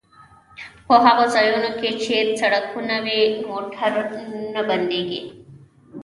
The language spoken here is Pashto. په هغو ځایونو کې چې سړکونه وي موټر نه بندیږي